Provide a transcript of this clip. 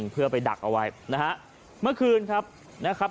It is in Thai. เพื่อไปดักเอาไว้นะฮะเมื่อคืนครับนะครับ